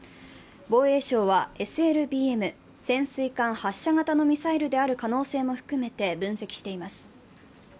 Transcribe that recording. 防衛省はＳＬＢＭ＝潜水艦発射型のミサイルである可能性も含めて分析しています。